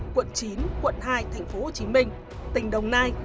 quận chín quận hai thành phố hồ chí minh tỉnh đồng nai